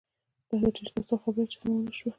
دا ډېر د تاسف خبره ده چې سمه نه شوه.